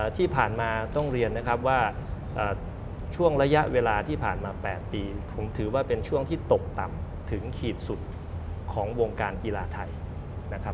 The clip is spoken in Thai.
ที่ผ่านมาต้องเรียนนะครับว่าช่วงระยะเวลาที่ผ่านมา๘ปีผมถือว่าเป็นช่วงที่ตกต่ำถึงขีดสุดของวงการกีฬาไทยนะครับ